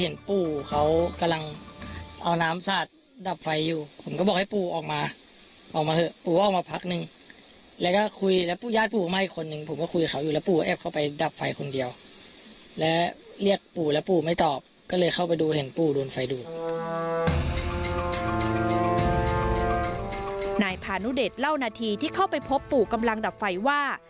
นายพานุเดชเล่านาทีที่เข้าไปพบปู่กำลังดับไฟว่า